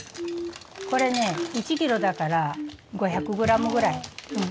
これね１キロだから５００ｇぐらい。